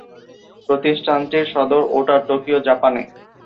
প্রতিষ্ঠানটির সদর ওটা, টোকিও, জাপানে।